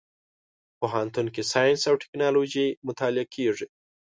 پوهنتون کې ساينس او ټکنالوژي مطالعه کېږي.